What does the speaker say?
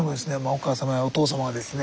お母様やお父様がですね